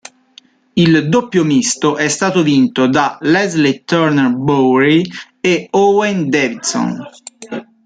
Il doppio misto è stato vinto da Lesley Turner Bowrey e Owen Davidson.